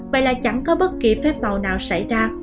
vậy là chẳng có bất kỳ phép bào nào xảy ra